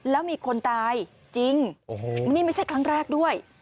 แล้วมีคนตายจริงโอ้โหนี่ไม่ใช่ครั้งแรกด้วย